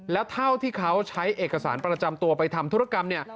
แล้วเท่าที่เขาใช้เอกสารประจำตัวไปทำธุรกรรมเนี่ย